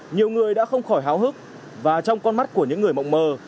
nhiều người đã không khỏi háo hức và trong con mắt của những người mộng mơ